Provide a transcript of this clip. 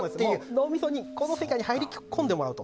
脳みそにこの世界に入り込んでもらうと。